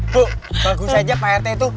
bu bagus aja pak rt itu